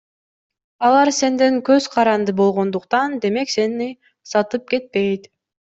Алар сенден көз каранды болгондуктан, демек сени сатып кетпейт.